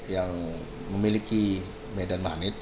yang memiliki medan magnet